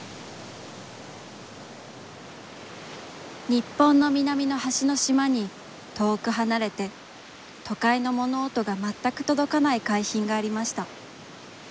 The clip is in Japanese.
日本の南のはしの島に、遠くはなれて、都会の物音がまったくとどかない海浜がありました。